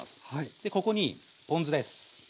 でここにポン酢です。